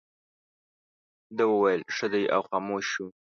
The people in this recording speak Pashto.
ده وویل ښه دی او خاموش شو.